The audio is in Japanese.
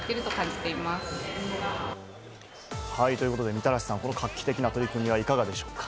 みたらしさん、この画期的な取り組みはいかがでしょうか？